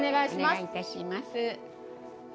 お願いいたします。